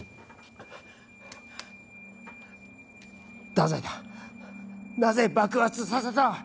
太宰だなぜ爆発させた！